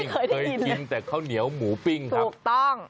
เคยกินแต่ข้าวเหนียวหมูปิ้งครับถูกต้อง